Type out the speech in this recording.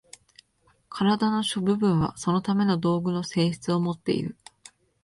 身体の諸部分はそのための道具の性質をもっている。